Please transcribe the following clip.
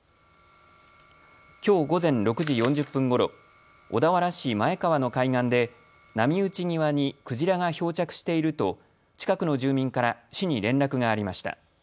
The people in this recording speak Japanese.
きょう午前６時４０分ごろ、小田原市前川の海岸で波打ち際にクジラが漂着していると近くの住民から市に連絡がありました。